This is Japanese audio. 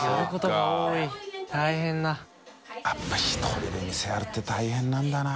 笋辰１人で店やるって大変なんだな。